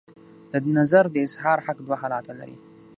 د نظر د اظهار حق دوه حالته لري.